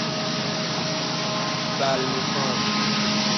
بلموپان